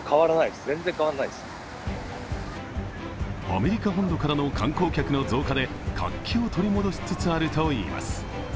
アメリカ本土からの観光客の増加で活気を取り戻しつつあるといいます。